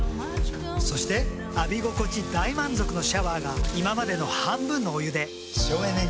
そして浴び心地大満足のシャワーが今までの半分のお湯で省エネに。